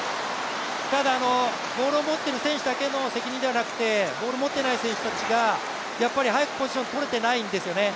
ただ、ボールを持っている選手だけの責任ではなくてボール持ってない選手たちが早くポジション取れてないんですよね。